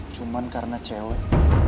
cuman karena cewek